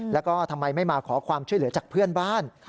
แล้วก็ทำไมไม่มาขอความช่วยเหลือจากเพื่อนบ้าน